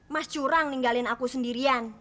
mas curang ninggalin aku sendirian